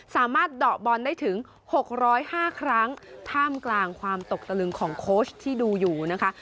เดาะบอลได้ถึง๖๐๕ครั้งท่ามกลางความตกตะลึงของโค้ชที่ดูอยู่นะคะ